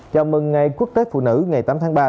chào mừng ngày quốc tế phụ nữ ngày tám tháng ba